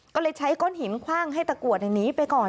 ก็เลยใช้ก้อนหินคว่างให้ตะกรวดหนีไปก่อน